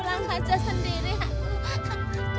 ular ngajak sendiri aku